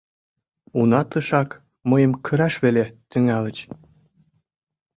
Уна тышак мыйым кыраш веле тӱҥальыч.